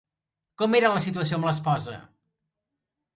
Com era la situació amb l'esposa?